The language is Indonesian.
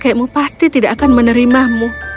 kakekmu pasti tidak akan menerimamu